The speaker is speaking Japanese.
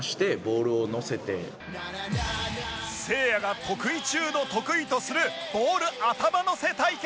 せいやが得意中の得意とするボール頭のせ対決